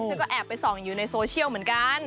ฉันก็แอบไปส่องอยู่ในโซเชียลเหมือนกัน